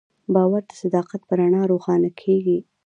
باور د صداقت په رڼا روښانه کېږي.